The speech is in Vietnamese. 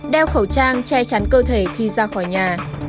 đeo khẩu trang che chắn cơ thể khi ra khỏi nhà